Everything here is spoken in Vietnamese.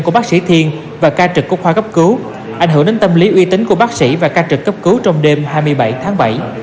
của bác sĩ thiên và ca trực của khoa cấp cứu ảnh hưởng đến tâm lý uy tín của bác sĩ và ca trực cấp cứu trong đêm hai mươi bảy tháng bảy